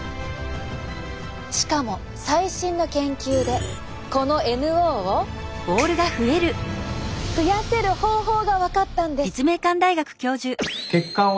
しかも最新の研究でこのＮＯを増やせる方法が分かったんです。